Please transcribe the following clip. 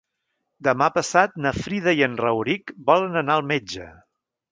Demà passat na Frida i en Rauric volen anar al metge.